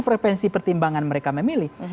provinsi pertimbangan mereka memilih